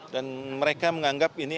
dan mereka menganggap ini